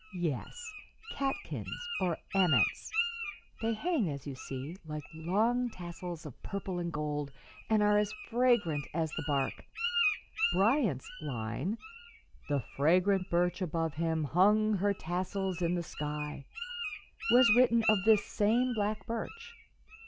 "Yes, catkins, or aments. They hang, as you see, like long tassels of purple and gold, and are as fragrant as the bark. Bryant's line, "'The fragrant birch above him hung her tassels in the sky,' "was written of this same black birch.